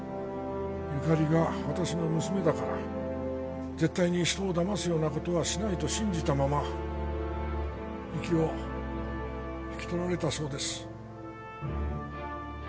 ゆかりが私の娘だから絶対に人をだますような事はしないと信じたまま息を引き取られたそうです。